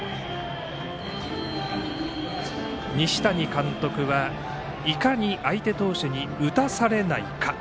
西谷監督は、いかに相手投手に打たされないか。